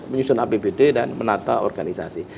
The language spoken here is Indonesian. menyusun apbd dan menata organisasi